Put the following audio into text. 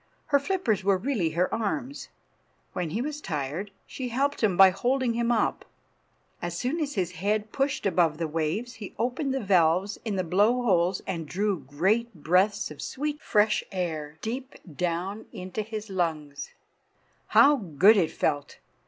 Her flippers were really her arms. When he was tired she helped him by holding him up. As soon as his head pushed above the waves he opened the valves in the blow holes and drew great breaths of sweet, fresh air deep down into his lungs. How good it felt!